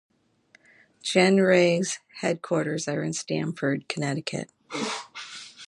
Gen Re's headquarters are in Stamford, Connecticut.